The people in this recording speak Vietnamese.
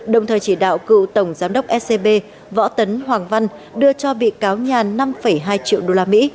đồng thời chỉ đạo cựu tổng giám đốc scb võ tấn hoàng văn đưa cho bị cáo nhàn năm hai triệu usd